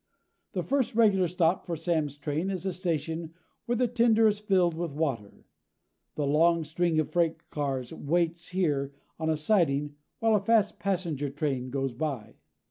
The first regular stop for Sam's train is a station where the tender is filled with water. The long string of freight cars waits here on a siding while a fast passenger train goes by.